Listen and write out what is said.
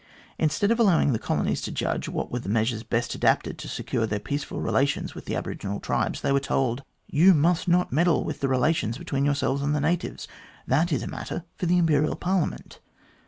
Instead of allowing the colonies to judge what were the measures best adapted to secure their peaceful relations with the aboriginal tribes, they were told :" You must not meddle with the relations between yourselves and the natives ; that is a matter for the Imperial Parliament."